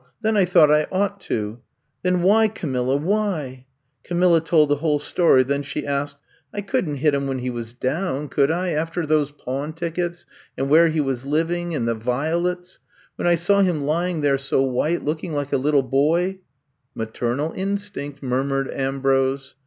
Then I thought I ought to. Then why, Camilla — ^why —Camilla told the whole story, then she asked : I could n*t hit him when he was down, IRl 182 I*VB COMB TO STAY could 1 — after those pawn tickets — and where he was living — and the violets ; when I saw him lying there so white, looking like a little boy— '*^^ Maternal instinct," mnrmured Am brose.